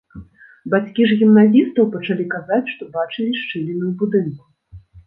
Бацькі ж гімназістаў пачалі казаць, што бачылі шчыліны ў будынку.